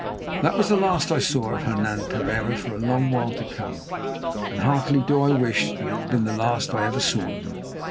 That was the last I saw of Hernan Pereira for a long while to come, and heartily do I wish that it had been the last I ever saw of him.